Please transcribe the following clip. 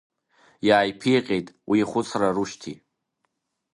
Иааиԥиҟьеит уи ихәыцра Рушьҭи.